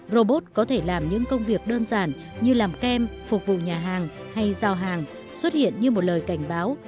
robot có thể làm những công việc đơn giản như làm kem phục vụ nhà hàng hay giao hàng xuất hiện như một lời cảnh báo